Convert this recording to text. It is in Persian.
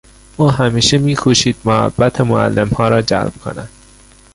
او همیشه میکوشید محبت معلمها را جلب کند.